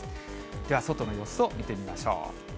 では外の様子を見てみましょう。